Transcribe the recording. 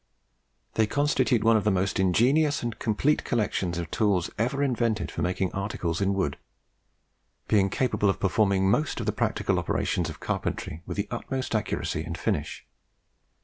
They constitute one of the most ingenious and complete collections of tools ever invented for making articles in wood, being capable of performing most of the practical operations of carpentry with the utmost accuracy and finish.